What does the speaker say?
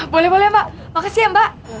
boleh boleh mbak makasih ya mbak